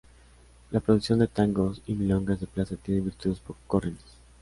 La producción de tangos y milongas de Plaza tiene virtudes poco corrientes.